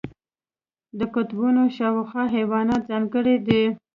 د قطبونو شاوخوا حیوانات ځانګړي دي.